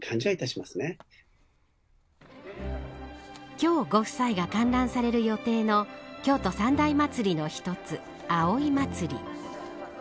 今日、ご夫妻が観覧される予定の京都三大祭りの一つ葵祭。